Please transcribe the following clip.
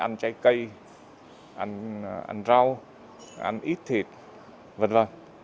ăn trái cây ăn rau ăn ít thịt v v